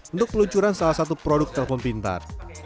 untuk peluncuran salah satu produk telpon pintar